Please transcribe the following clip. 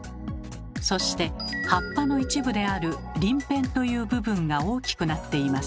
そして葉っぱの一部である「りん片」という部分が大きくなっています。